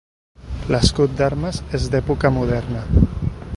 L'escut d'armes és d'època moderna.